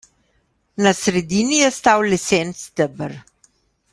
Na sredini je stal lesen steber.